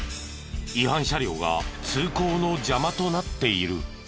違反車両が通行の邪魔となっている。